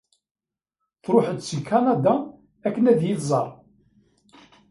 Truḥ-d si Kanada akken ad yi-tẓer.